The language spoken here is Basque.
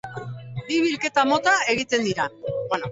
Bi bilketa mota egiten dira.